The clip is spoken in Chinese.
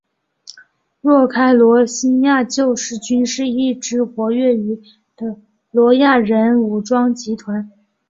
若开罗兴亚救世军是一支活跃于缅甸若开邦北部丛林的罗兴亚人武装集团。